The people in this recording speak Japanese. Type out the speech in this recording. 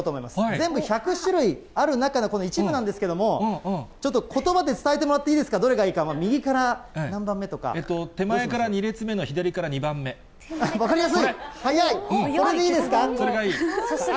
全部で１００種類ある中の一部なんですけれども、ちょっとことばで伝えてもらっていいですか、どれがいいか、手前から２列目の左から２番分かりやすい。